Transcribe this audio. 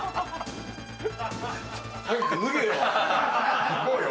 早く脱げよ。